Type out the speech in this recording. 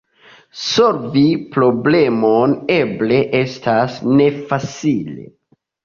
Solvi problemon eble estas nefacile.